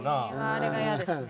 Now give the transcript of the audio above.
あれが嫌ですね